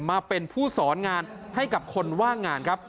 มาเป็นผู้สอนงานให้กับคนว่างงานครับ